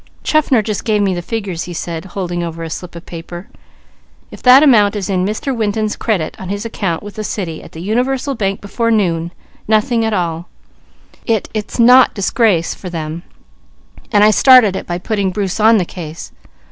"Chaffner just gave me the figures," he said, holding over a slip of paper. "If that amount is to Mr. Winton's credit on his account with the city, at the Universal Bank before noon nothing at all. If it's not, disgrace for them, and I started it by putting Bruce on the case.